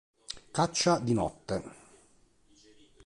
Caccia di notte.